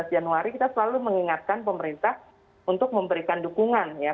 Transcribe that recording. jadi kita juga mengingatkan kepada pemerintah untuk memberikan dukungan ya